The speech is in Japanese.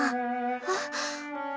あっ！